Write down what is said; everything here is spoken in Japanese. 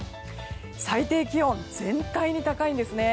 最低気温、全体に高いですね。